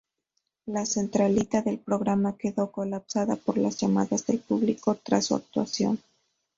La centralita del programa quedó colapsada por las llamadas del público tras su actuación.